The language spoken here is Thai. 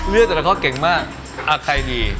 เรื่องต่อก่อน